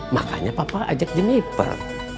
makanya papa ajak jeniper